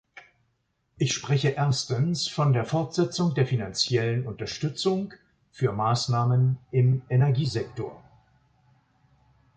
Ich spreche erstens von der Fortsetzung der finanziellen Unterstützung für Maßnahmen im Energiesektor.